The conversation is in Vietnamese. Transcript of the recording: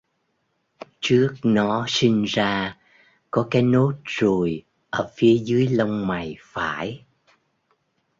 trước nó sinh ra có cái nốt ruồi ở phía dưới lông mày phải